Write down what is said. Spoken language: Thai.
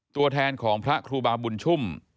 ตัวแทนของพระครูบาบุญชุ่ม